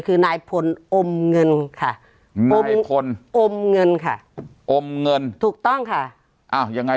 คือนายพลอมเงินค่ะอมพลอมเงินค่ะอมเงินถูกต้องค่ะอ้าวยังไง